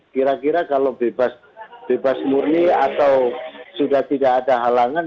kira kira kalau bebas murni atau sudah tidak ada halangan